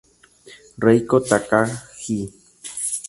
Reiko Takagi